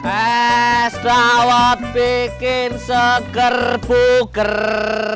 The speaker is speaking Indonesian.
es dawet bikin seger buker